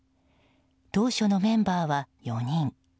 当初のメンバーは４人。